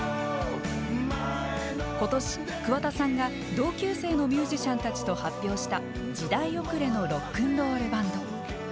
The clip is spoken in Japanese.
今年桑田さんが同級生のミュージシャンたちと発表した「時代遅れのＲｏｃｋ’ｎ’ＲｏｌｌＢａｎｄ」。